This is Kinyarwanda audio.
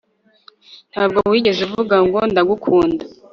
ntabwo wigeze uvuga ngo ndagukunda